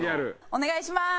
お願いします！